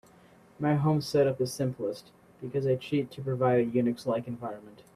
My home set up is simplest, because I cheat to provide a UNIX-like environment.